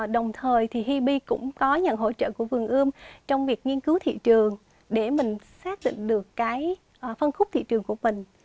đồng thời thì hip cũng có nhận hỗ trợ của vườn ươm trong việc nghiên cứu thị trường để mình xác định được cái phân khúc thị trường của mình